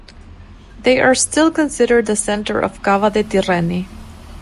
They are still considered the centre of Cava de' Tirreni.